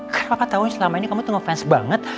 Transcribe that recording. kan papa tau selama ini kamu tuh ngefans banget